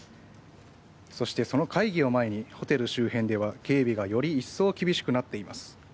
そして、その会議を前にホテル周辺では警備がより一層厳しくなっています。